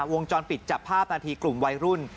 วงจรปิดจับภาพนาทีกลุ่มวัยรุ่น